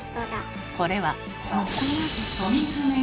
これは。